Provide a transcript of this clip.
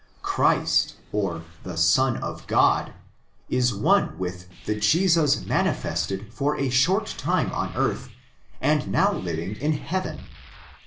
Christ, or the Son of God, is one with the Jesus manifested for a short time on earth and now living in heaven.